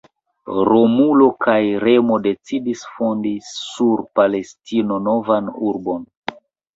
Romulo kaj Remo decidis fondi sur Palatino novan urbon.